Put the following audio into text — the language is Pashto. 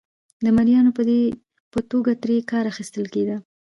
د مریانو په توګه ترې کار اخیستل کېده.